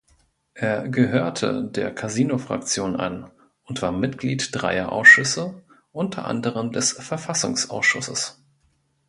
Er gehörte der Casino-Fraktion an und war Mitglied dreier Ausschüsse, unter anderem des Verfassungsausschusses.